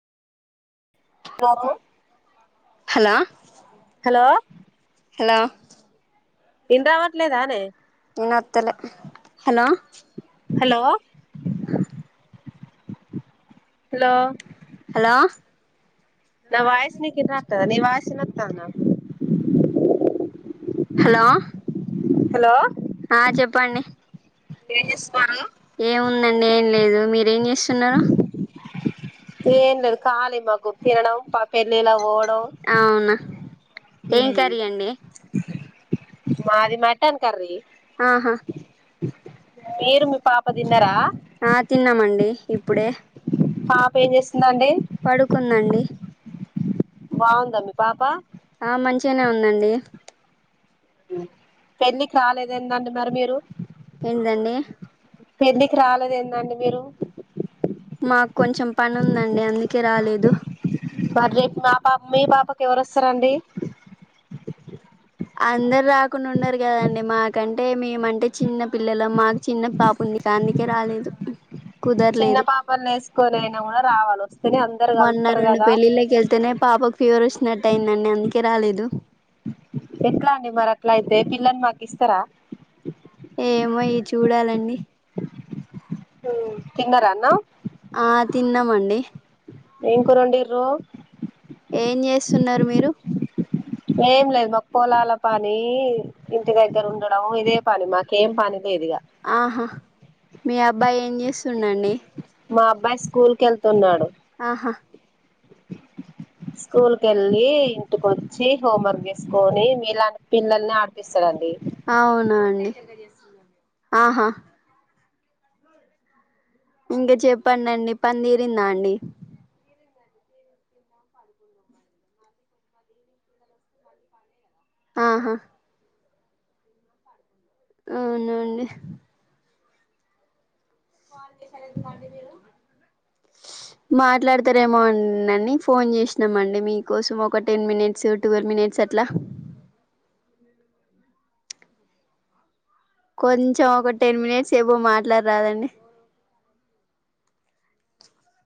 బాబు హలా హలా ఇన్ రావట్లేదానే ఇనొత్తలే హలో హలో ఆ హలో హలో నా వాయిస్ నీకు ఇంట్రత్తదా నీ వాయిస్ ఇనత్తానా హలో హలో ఆ చెప్పండి ఏం చేస్ ఏముందండి ఏం లేదు మీరేం చేస్తున్నారు ఏం లేదు ఖాళీ మాకు తినణం ప పెళ్ళిలా [inaudible] అవునా ఏం హ్మ్ కరీయండి మాది మటన్ కర్రీ ఆహా ఏరు మీ పాప తిన్నరా ఆ తిన్నామండి ఇప్పుడే పాపెం జేస్ పడుకుందండి బాగుంద మీ పాప ఆ మంచిగానే ఉందండి పెళ్ళికి రాలేదు ఏంటండి మరి మీరు ఏదండి పెళ్ళికి రాలేదు ఏందండి మీరు మాకు కొంచెం పని ఉందండి అందుకే రాలేదు బర్డే మా పాప మీ పాపకి ఎవరోస్తరండి అందరు రాకుండా ఉన్నారు కదండి మాకంటే మేమంటే చిన్న పిల్లలం మాకు చిన్న పాప ఉంది అందుకే రాలేదు చిన్న కుదరలేదు పాపన్ నేస్కొని గుడా రావల్ ఆరోజు మొన్న రొండు పెళ్ళిళ్ళకెళ్తేనే పాపకు ఫీవర్ వచ్చినట్టు అయిందండి అందుకే రాలేదు మీ పిల్లని మాకిస్తరా ఏమోయి చూడాలండి తిన్నార అన్నం ఆ తిన్నామండి ఏం కుర్రొండిర్రు ఏం చేస్తున్నారు మీరు ఏం లేదు మా పొలాల పని ఇంటి దగ్గర ఉండడం ఇదే పని మాకేం పని లేదు ఇగ ఆహా మీ అబ్బాయి ఏం చేస్తుండు అండి మా అబ్బాయి స్కూల్ కి ఎళ్తున్నాడు ఆహా స్కూల్ కి ఎళ్ళి ఇంటికి వచ్చి హోంవర్క్ చేసుకొని మీ లాంటి పిల్లల్ని ఆడు తీసరండి అవునా అండి ఆహా ఇంకా చెప్పనండి పని తీరిందా అండి ఆహా అవునండి మాట్లాడతారు ఏమోనని ఫోన్ చేసినము అండి మీకోసం ఒక టెన్ మినిట్స్ ట్వెల్వ్ మినిట్స్ అట్లా కొంచెం ఒక టెన్ మినిట్స్ ఏవో మాట్లాడరాదండి